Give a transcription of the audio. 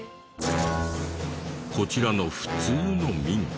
こちらの普通の民家。